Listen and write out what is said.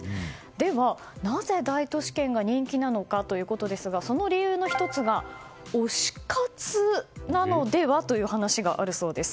では、なぜ大都市圏が人気なのかということですがその理由の１つが推し活なのではという話があるそうです。